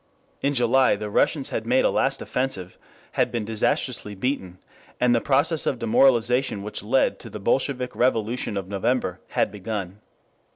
In July the Russians had made a last offensive, had been disastrously beaten, and the process of demoralization which led to the Bolshevik revolution of November had begun.